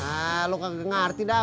ah lo gak ngerti dah